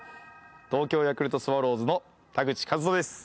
東京ヤクルトスワローズの田口麗斗です。